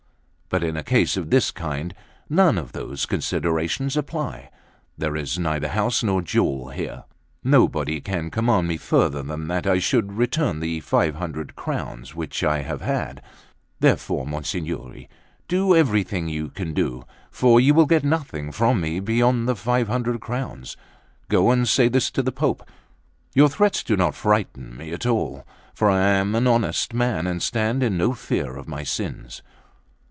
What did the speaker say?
But in a case of this kind none of those considerations apply; there is neither house nor jewel here; nobody can command me further than that I should return the five hundred crowns which I have had. Therefore, monsignori, do everything you can do; for you will get nothing from me beyond the five hundred crowns. Go and say this to the Pope. Your threats do not frighten me at all; for I am an honest man, and stand in no fear of my sins."